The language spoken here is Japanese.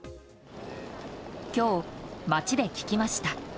今日、街で聞きました。